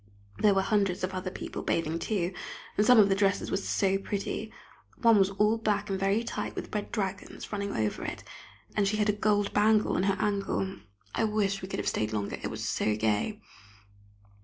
There were hundreds of other people bathing too, and some of the dresses were so pretty. One was all black and very tight, with red dragons running over it, and she had a gold bangle on her ankle. I wish we could have stayed longer, it was so gay.